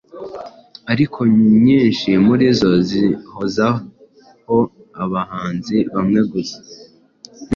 Ariko nyinshi murizo zihozaho abahanzi bamwe gusa